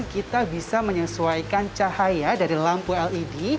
kita bisa menyesuaikan cahaya dari lampu led